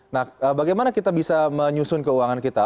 nah bagaimana kita bisa menyusun keuangan kita